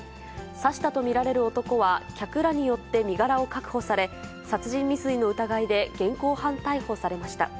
刺したと見られる男は、客らによって身柄を確保され、殺人未遂の疑いで現行犯逮捕されました。